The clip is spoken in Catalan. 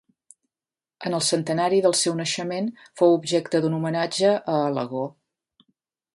En el centenari del seu naixement fou objecte d'un homenatge a Alagó.